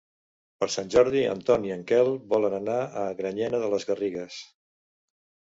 Per Sant Jordi en Ton i en Quel volen anar a Granyena de les Garrigues.